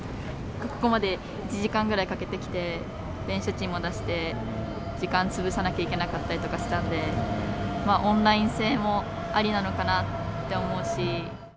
ここまで１時間ぐらいかけて来て、電車賃も出して、時間潰さなきゃいけなかったりとかしたんで、オンライン制もありなのかなって思うし。